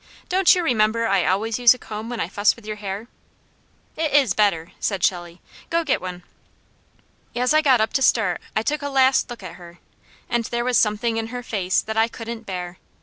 "Don't you remember I always use a comb when I fuss with your hair?" "It is better," said Shelley. "Go get one." As I got up to start I took a last look at her, and there was something in her face that I couldn't bear.